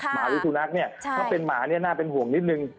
หมาหรือสุนัขเนี่ยถ้าเป็นหมาเนี่ยน่าเป็นห่วงนิดนึง